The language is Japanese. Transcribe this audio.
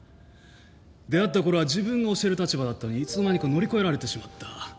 出会ったころは自分が教える立場だったのにいつの間にか乗り越えられてしまった。